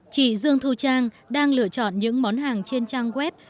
chị dương thu trang đang lựa chọn những món hàng trên trang web